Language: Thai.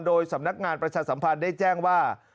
โดยสำนักงานประชาสัมพันธ์ได้แจ้งว่า